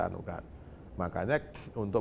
anggap makanya untuk